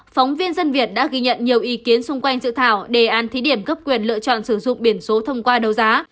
phóng viên dân việt đã ghi nhận nhiều ý kiến xung quanh dự thảo đề án thí điểm cấp quyền lựa chọn sử dụng biển số thông qua đấu giá